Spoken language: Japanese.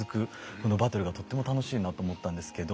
このバトルがとっても楽しいなと思ったんですけど。